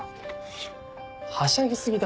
はしゃぎ過ぎだろ。